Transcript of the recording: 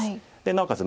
なおかつ